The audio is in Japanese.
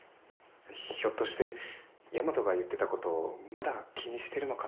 ひょっとして大和が言ってたことまだ気にしてるのかなって。